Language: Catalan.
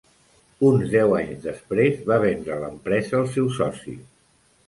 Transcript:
Uns deu anys després, va vendre l'empresa al seu soci.